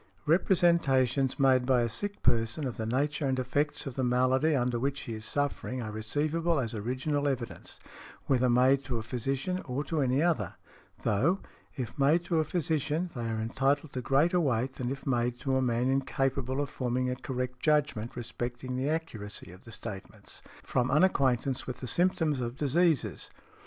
Representations made by a sick person of the nature and effects of the malady under which he is suffering are receivable as original evidence, whether made to a physician or to any other; though, if made to a physician, they are entitled to greater weight than if made to a man incapable of forming a correct judgment respecting the accuracy of the statements, from unacquaintance with the symptoms of diseases .